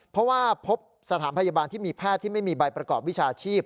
เพราะว่าพบสถานพยาบาลที่มีแพทย์ที่ไม่มีใบประกอบวิชาชีพ